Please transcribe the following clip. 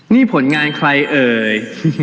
นี่ผลงานใครเอ่ย